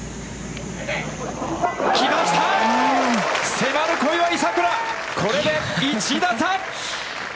迫る小祝さくら、これで１打差！